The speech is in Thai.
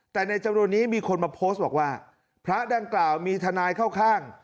แต่ในจำนวนนี้มีคนมาโพสต์บอกว่าพระดังกล่าวมีทนายเข้าข้าง